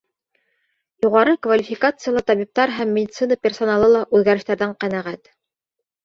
Юғары квалификациялы табиптар һәм медицина персоналы ла үҙгәрештәрҙән ҡәнәғәт.